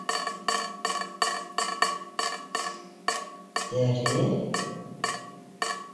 Тәре?!